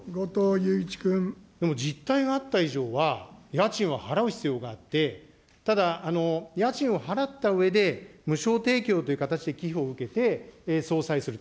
でも、実態があった以上は、家賃は払う必要があって、ただ、家賃を払ったうえで、無償提供という形で寄付を受けて、相殺する。